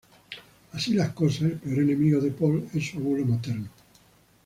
Así las cosas, el peor enemigo de Paul es su abuelo materno.